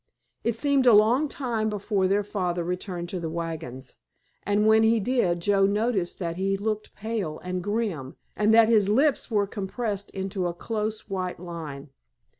It seemed a long time before their father returned to the wagons, and when he did Joe noticed that he looked pale and grim and that his lips were compressed into a close, white line.